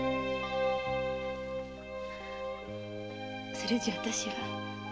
それじゃあたしは。